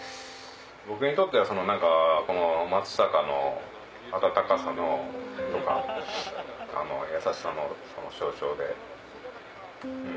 僕にとっては何かこの松阪の温かさとか優しさの象徴で。